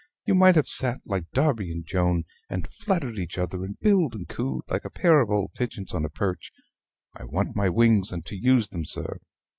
You might have sat, like Darby and Joan, and flattered each other; and billed and cooed like a pair of old pigeons on a perch. I want my wings and to use them, sir."